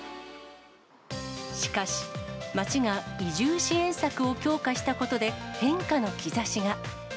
しかし、町が移住支援策を強化したことで、変化の兆しが。